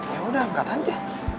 ya udah angkat aja